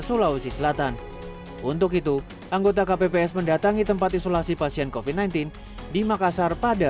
sulawesi selatan untuk itu anggota kpps mendatangi tempat isolasi pasien kofi sembilan belas di makassar pada